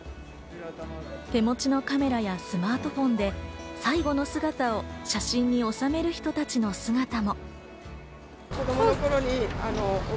手持ちのカメラやスマートフォンで、最後の姿を写真に収める人たちの姿も。